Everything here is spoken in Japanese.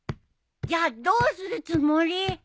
じゃあどうするつもり？